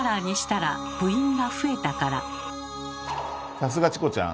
さすがチコちゃん！